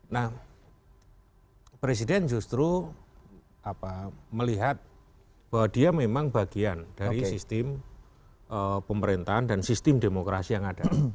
nah presiden justru melihat bahwa dia memang bagian dari sistem pemerintahan dan sistem demokrasi yang ada